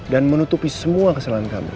dan menutupi semua kesalahan kamu